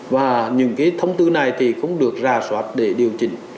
và những cái thông tư này thì cũng được ra soát để điều chỉnh